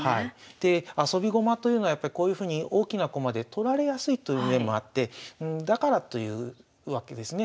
であそび駒というのはこういうふうに大きな駒で取られやすいという面もあってだからというわけですね。